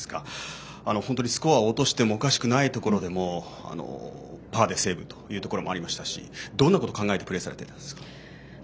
本当にスコアを落としてもおかしくないところでもパーでセーブというところもありましたしどんなことを考えてプレーされたんですか。